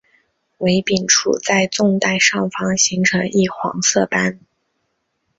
尾柄处在纵带上方形成一黄色斑。